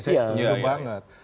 saya setuju banget